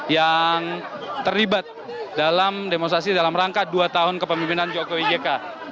yang terlibat dalam demonstrasi dalam rangka dua tahun kepemimpinan jokowi jk